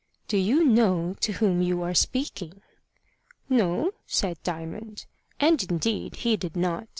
"Do you know to whom you are speaking!" "No," said Diamond. And indeed he did not.